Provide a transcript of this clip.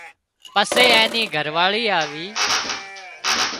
پسي اين نِي گھر واۯي آوي